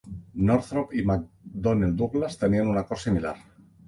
Northrop i McDonnell Douglas tenien un acord similar.